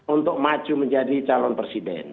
untuk maju menjadi calon presiden